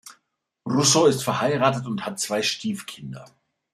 Russo ist verheiratet und hat zwei Stiefkinder.